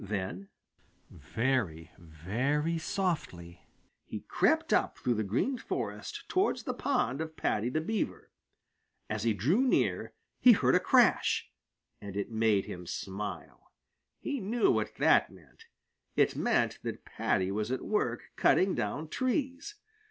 Then very, very softly, he crept up through the Green Forest towards the pond of Paddy the Beaver. As he drew near, he heard a crash, and it made him smile. He knew what it meant. It meant that Paddy was at work cutting down trees.